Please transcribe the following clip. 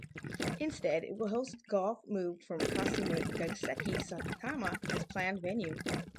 Instead it will host Golf moved from Kasumigaseki, Saitama as planned venue.